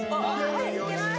はいいけます